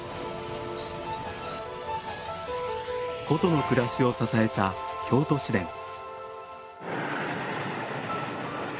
古都の暮らしを支えた京都市電。